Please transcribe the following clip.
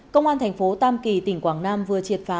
công an thành phố tam kỳ tỉnh quảng nam vừa triệt phá